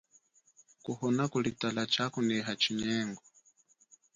Kuhona kuli tala chakuneha chinyengo.